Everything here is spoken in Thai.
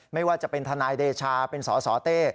ไม่ว่าจะเป็นทนายเดชาเป็นสสเต้